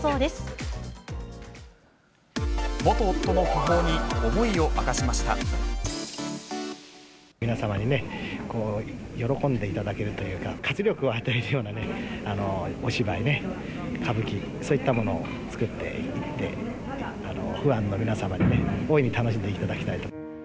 元夫の訃報に思いを明かしま皆様にね、喜んでいただけるというか、活力を与えられるようなね、お芝居ね、歌舞伎、そういったものを作っていって、ファンの皆様にね、大いに楽しんでいただきたいと。